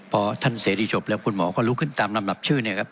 พอท่านเสรีจบแล้วคุณหมอก็ลุกขึ้นตามลำดับชื่อเนี่ยครับ